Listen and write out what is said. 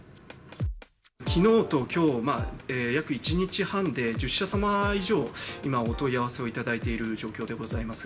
きのうときょう、約１日半で１０社様以上、今、お問い合わせをいただいている状況でございます。